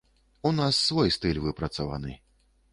У нас свой стыль выпрацаваны.